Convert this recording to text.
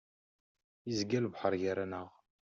Izga lebḥer gar-aneɣ.